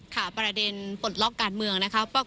ประเด็นปลดล็อกการเมืองนะคะ